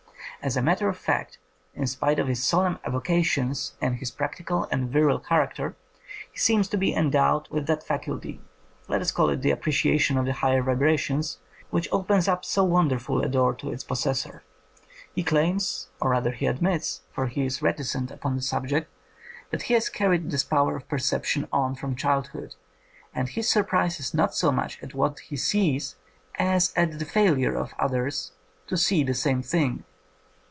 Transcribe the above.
As a matter of fact, in spite of his solemn avocations and his practical and virile character, he seems to be endowed with that faculty — let us call it the appreciation of higher vibrations — which opens up so wonderful a door to its possessor. He claims, or rather he admits, for he is reticent upon 136 INDEPENDENT EVIDENCE FOR FAIRIES the subject, that he has carried this power of perception on from childhood, and his sur prise is not so much at what he sees as at the failure of others to see the same thing.